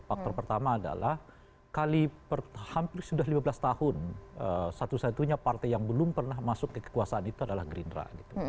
faktor pertama adalah hampir sudah lima belas tahun satu satunya partai yang belum pernah masuk ke kekuasaan itu adalah gerindra